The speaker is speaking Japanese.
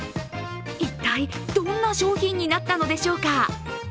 一体、どんな商品になったのでしょうか？